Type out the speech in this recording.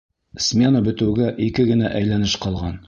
Смена бөтөүгә ике генә әйләнеш ҡалған.